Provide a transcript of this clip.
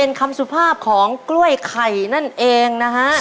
เป็นคำสุภาพของกล้วยไข่นั่นเองนะฮะ